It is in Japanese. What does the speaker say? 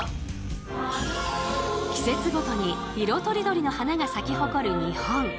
季節ごとに色とりどりの花が咲き誇る日本。